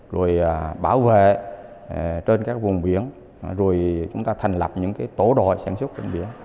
rồi bảo vệ trên các vùng biển rồi chúng ta thành lập những tổ đội sản xuất trên biển